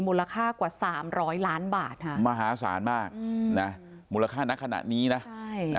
มูลค่ากว่าสามร้อยล้านบาทค่ะมหาศาลมากอืมนะมูลค่านักขณะนี้นะใช่